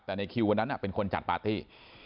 แต่ในคิววันนั้นเป็นคนจัดปาร์ตี้